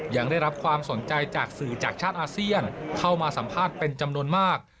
ยังได้รับความสนใจจากสื่อจากชาติอาเซียนเข้ามาสัมภาษณ์เป็นจำนวนมาก